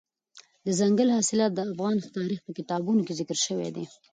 دځنګل حاصلات د افغان تاریخ په کتابونو کې ذکر شوي دي.